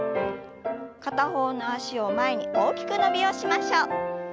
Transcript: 片方の脚を前に大きく伸びをしましょう。